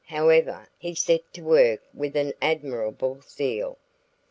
However, he set to work with an admirable zeal.